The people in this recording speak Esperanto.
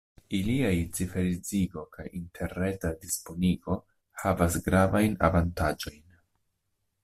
Iliaj ciferecigo kaj interreta disponigo havas gravajn avantaĝojn.